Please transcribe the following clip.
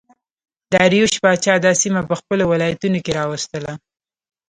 داریوش پاچا دا سیمه په خپلو ولایتونو کې راوستله